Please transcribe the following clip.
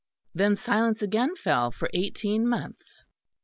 Then silence again fell for eighteen months.